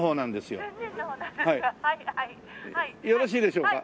よろしいでしょうか？